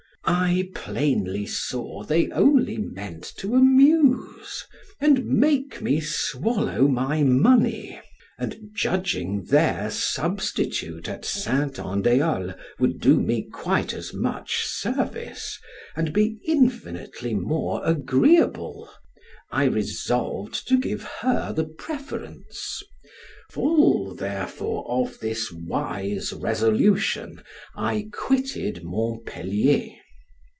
I plainly saw they only meant to amuse, and make me swallow my money; and judging their substitute at Saint Andiol would do me quite as much service, and be infinitely more agreeable, I resolved to give her the preference; full, therefore, of this wise resolution, I quitted Montpelier.